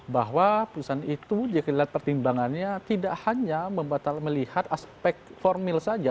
bahwa putusan itu jika kita lihat pertimbangannya tidak hanya membatal melihat aspek formil saja